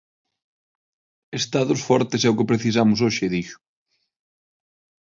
Estados fortes é o que precisamos hoxe, dixo.